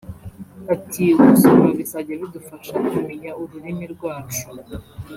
Ati "Gusoma bizajya bidufasha kumenya ururimi rwacu